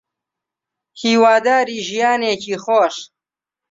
هیواداری ژیانێکی خۆش